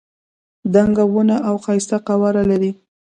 دنګه ونه او ښایسته قواره لري.